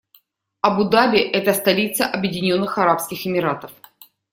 Абу-Даби - это столица Объединённых Арабских Эмиратов.